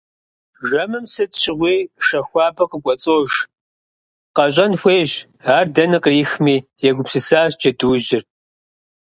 Жэмым сыт щыгъуи шэ хуабэ къыкӏуэцӏож… Къэщӏэн хуейщ ар дэнэ кърихми - егупсысащ джэдуужьыр.